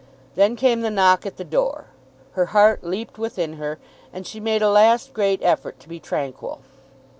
Then came the knock at the door. Her heart leaped within her, and she made a last great effort to be tranquil.